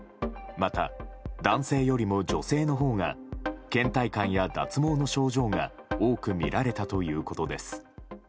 また、男性よりも女性のほうが倦怠感や脱毛の症状が多く見られたということです。